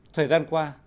thời gian qua